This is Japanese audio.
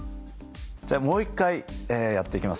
じゃあもう一回やっていきますね。